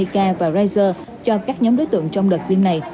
astrazeneca và pfizer cho các nhóm đối tượng trong đợt tiêm này